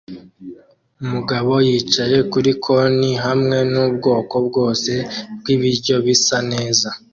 Umugabo yicaye kuri konti hamwe nubwoko bwose bwibiryo bisa neza